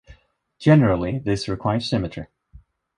Generally this requires symmetry.